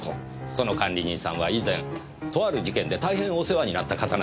その管理人さんは以前とある事件で大変お世話になった方なんです。